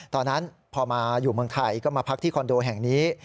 ตอนนั้นพอมาอยู่เมืองไทยก็มาพักที่คอนโดแห่งนี้